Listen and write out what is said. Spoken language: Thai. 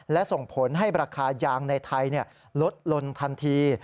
และส่งผลให้ราคายางในไทยลดลงทันที